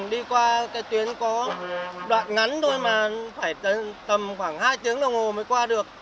đi qua cái tuyến có đoạn ngắn thôi mà phải tầm khoảng hai tiếng đồng hồ mới qua được